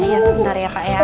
iya sebentar ya pak ya